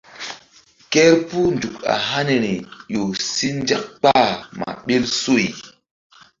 Kerpuh nzuk a haniri ƴo si nzak kpah ma ɓil suy.